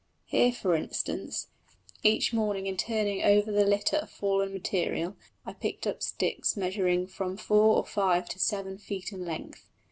Here, for instance, each morning in turning over the litter of fallen material I picked up sticks measuring from four or five to seven feet in length.